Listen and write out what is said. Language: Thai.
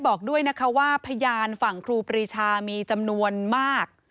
เพราะว่าพยานฝั่งครูปริชามีจำนวนมาก